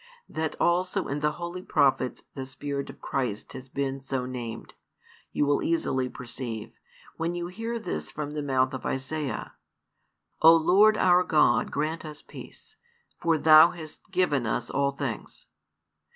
That also in the holy prophets the Spirit of Christ has been so named, you will easily perceive, when you hear this from the mouth of Isaiah: O Lord our God grant us peace: for Thou hast given us all things.